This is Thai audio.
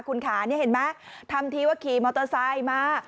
คุณขานี่เห็นไหมทำทีว่าขี่มอเตอร์ไซค์มา